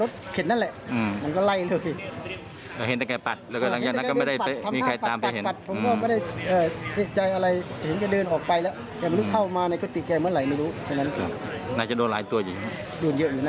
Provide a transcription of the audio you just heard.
โดนเยอะอยู่น่าจะโดนเป็นสิบนะครับ